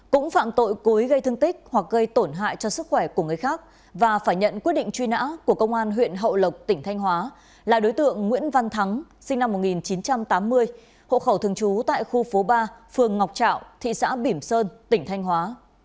cũng phạm tội cố ý gây thương tích hoặc gây tổn hại cho sức khỏe của người khác và phải nhận quyết định truy nã của công an huyện hậu lộc tỉnh thanh hóa là đối tượng nguyễn văn thắng sinh năm một nghìn chín trăm tám mươi hộ khẩu thường trú tại khu phố ba phường ngọc trạo thị xã bỉm sơn tỉnh thanh hóa